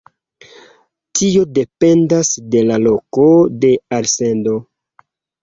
Tio dependas de la loko de alsendo.